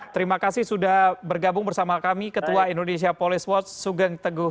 terima kasih sudah bergabung bersama kami ketua indonesia police watt sugeng teguh